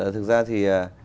thực ra thì